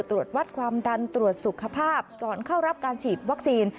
ตรวจวัดความดันตรวจสุขภาพก่อนเข้ารับการฉีดวัคซีน